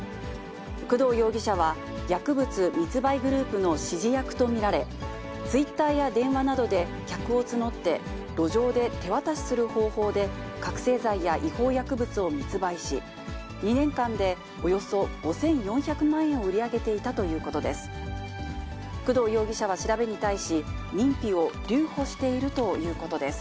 工藤容疑者は、薬物密売グループの指示役と見られ、ツイッターや電話などで、客を募って、路上で手渡しする方法で覚醒剤や違法薬物を密売し、２年間でおよそ５４００万円を売り上げていたということです。